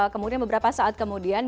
kemudian beberapa saat kemudian